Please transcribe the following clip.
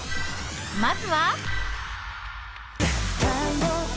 まずは。